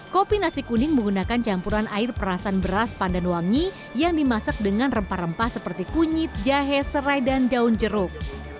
kopi nasi kuning menggunakan campuran air perasan beras pandan wangi yang dimasak dengan rempah rempah seperti kunyit jahe serai dan daun jeruk